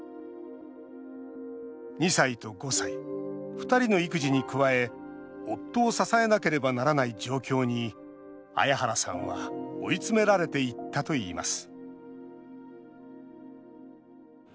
２歳と５歳、２人の育児に加え夫を支えなければならない状況に彩原さんは追い詰められていったといいます